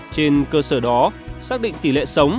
trên cơ sở đó xác định tỷ lệ sống